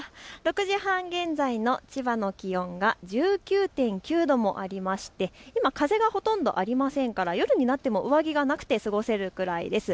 ６時半現在の千葉の気温が１９．９度もありまして今、風がほとんどありませんから夜になっても上着がなくて過ごせるくらいです。